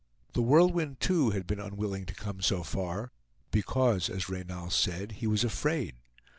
The Whirlwind too had been unwilling to come so far, because, as Reynal said, he was afraid.